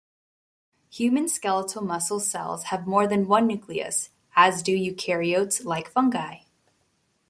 Human skeletal muscle cells have more than one nucleus, as do eukaryotes like fungi.